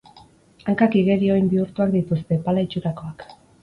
Hankak igeri-oin bihurtuak dituzte, pala itxurakoak.